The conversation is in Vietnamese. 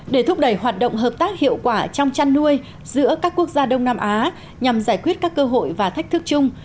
để thúc đẩy hoạt động hợp tác hiệu quả trong chăn nuôi giữa các quốc gia đông nam á nhằm giải quyết các cơ hội và thách thức chung